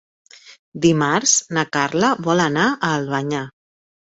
Dimarts na Carla vol anar a Albanyà.